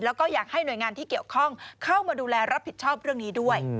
แล้วก็อยากให้หน่วยงานที่เกี่ยวข้องเข้ามาดูแลรับผิดชอบเรื่องนี้ด้วย